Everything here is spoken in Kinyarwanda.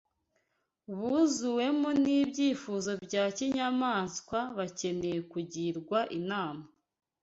buzuwemo n’ibyifuzo bya kinyamaswa bakeneye kugirwa inama